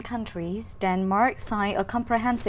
chúng tôi đã tập trung vào một kế hoạch mới